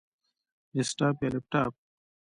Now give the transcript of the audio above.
ډیسکټاپ یا لپټاپ؟